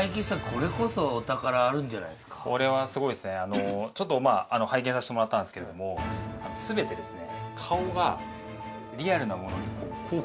これこそこれはすごいですねちょっと拝見させてもらったんですけれどもすべてですね